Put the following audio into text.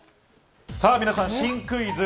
皆さん、新クイズ。